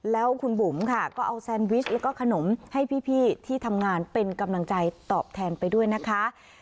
แล้วคุณบุ๋มค่ะก็เอาแซนวิชแล้วก็ขนมให้พี่ที่ทำงานเป็นกำลังใจตอบแทนไปด้วยนะคะ